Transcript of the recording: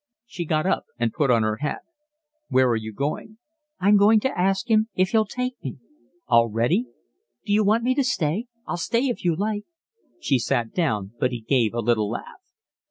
She got up and put on her hat. "Where are you going?" "I'm going to ask him if he'll take me." "Already?" "D'you want me to stay? I'll stay if you like." She sat down, but he gave a little laugh.